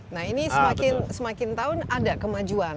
nah ini semakin tahun ada kemajuan